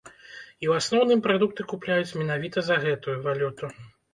І ў асноўным прадукты купляюць менавіта за гэтую валюту.